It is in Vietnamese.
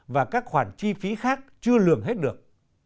và các khoản chi phí khác chưa lường hết được